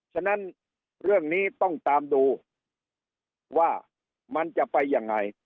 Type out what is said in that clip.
ฉะนั้นเรื่องนี้ต้องตามดูว่ามันจะไปยังไง